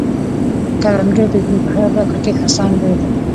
کروندګر د ژوند په هره برخه کې هڅاند دی